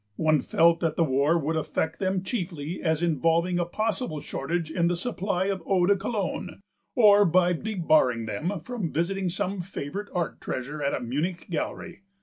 One felt that the war would affect them chiefly as involving a possible shortage in the supply of eau de Cologne or by debarring them from visiting some favourite art treasure at a Munich gallery.